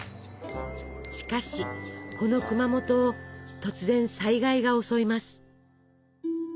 しかしこの熊本を突然災害が襲います。